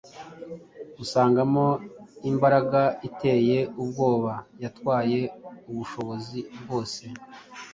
usangamo imbaraga iteye ubwoba yatwaye ubushobozi bwose